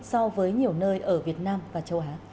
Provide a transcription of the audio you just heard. so với nhiều nơi ở việt nam và châu á